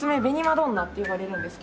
どんなって呼ばれるんですけど。